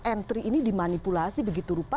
entry ini dimanipulasi begitu rupa